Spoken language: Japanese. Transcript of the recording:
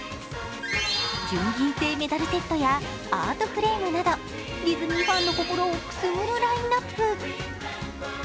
純銀製メダルセットやアートフレームなどディズニーファンの心をくすぐるラインナップ。